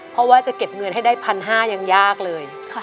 เพราะว่าจะเก็บเงินให้ได้๑๕๐๐ยังยากเลย